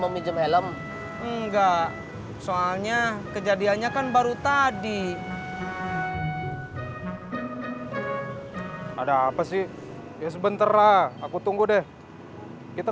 meminjam helm enggak soalnya kejadiannya kan baru tadi ada apa sih ya sebentar lah aku tunggu deh kita